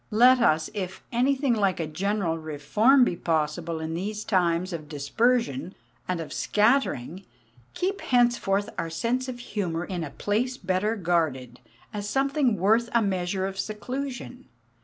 Let us, if anything like a general reform be possible in these times of dispersion and of scattering, keep henceforth our sense of humour in a place better guarded, as something worth a measure of seclusion.